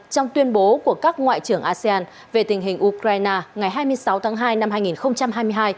trong tuyên bố của các ngoại trưởng asean về tình hình ukraine ngày hai mươi sáu tháng hai năm hai nghìn hai mươi hai